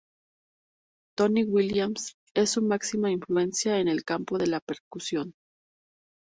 Tony Williams es su máxima influencia en el campo de la percusión.